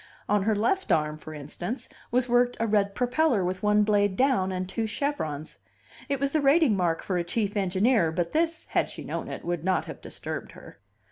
On her left arm, for instance, was worked a red propeller with one blade down, and two chevrons. It was the rating mark for a chief engineer, but this, had she known it, would not have disturbed her.